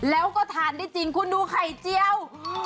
แล้วก็ทานได้จริงคุณดูไข่เจียว